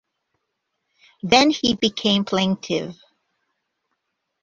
Then he became plaintive.